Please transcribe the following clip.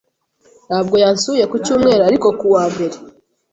Ntabwo yansuye ku cyumweru ariko ku wa mbere.